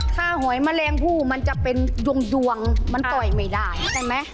ถ้าหอยแมลงผู้มันจะเป็นดวงมันต่อยไม่ได้ใช่ไหม